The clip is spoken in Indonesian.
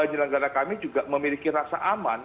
penyelenggara kami juga memiliki rasa aman